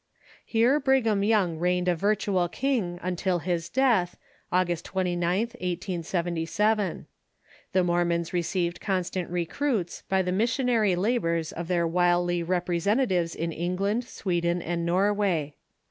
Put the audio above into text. Here Brigham Young reigned a virtual king until his death, August 29th, 1877. The Mormons received constant recruits by the missionary labors of their wily rep resentatives in England, Sweden, and Norway.